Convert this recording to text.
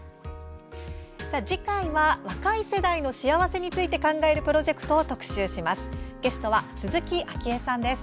次回は、若い世代の幸せについて考えるプロジェクトを特集します。